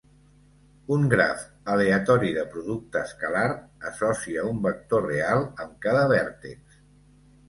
Un graf aleatori de producte escalar associa un vector real amb cada vèrtex.